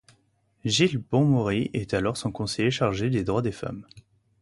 Gilles Bon-Maury est alors son conseiller chargé des Droits des femmes.